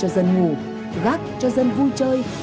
để dân ngủ gác cho dân vui chơi